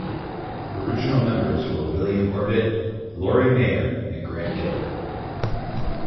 Original members were William Orbit, Laurie Mayer and Grant Gilbert.